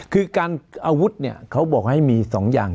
คือการอาวุธเนี่ยเขาบอกให้มี๒อย่าง